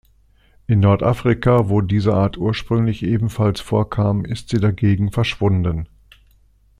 In Nord-Afrika, wo diese Art ursprünglich ebenfalls vorkam, ist sie dagegen verschwunden.